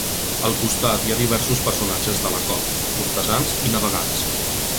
Al costat hi ha diversos personatges de la cort, cortesans i navegants.